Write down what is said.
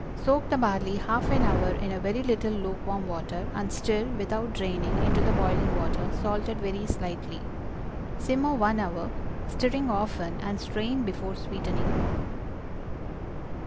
Soak the barley half an hour in a very little lukewarm water, and stir, without draining, into the boiling water, salted very slightly. Simmer one hour, stirring often, and strain before sweetening.